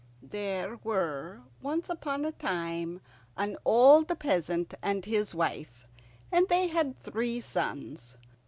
There were once upon a time an old peasant and his wife, and they had three sons.